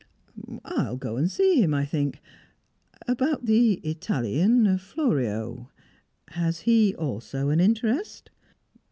"I'll go and see him, I think. About the Italian, Florio. Has he also an interest?"